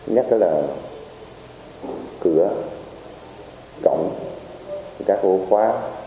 nhất đó là cửa cọng các ổ khóa